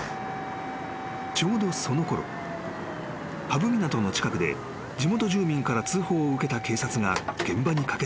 ［ちょうどそのころ波浮港の近くで地元住民から通報を受けた警察が現場に駆け付けていた］